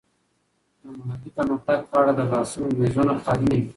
د محلي پرمختګ په اړه د بحثونو میزونه خالي نه وي.